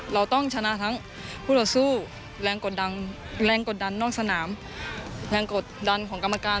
เราต้องชนะทั้งผู้ต่อสู้แรงกดดันแรงกดดันนอกสนามแรงกดดันของกรรมการ